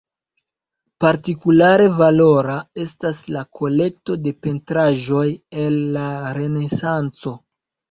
Partikulare valora, estas la kolekto de pentraĵoj el la Renesanco.